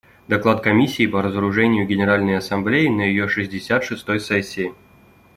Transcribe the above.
Доклад Комиссии по разоружению Генеральной Ассамблее на ее шестьдесят шестой сессии.